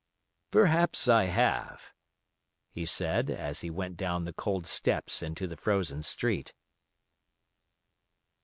"Perhaps I have," he said as he went down the cold steps into the frozen street.